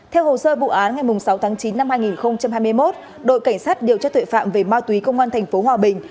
theo hồ sơ vụ án ngày sáu tháng chín năm hai nghìn hai mươi một đội cảnh sát điều tra tuệ phạm về ma túy công an tp hòa bình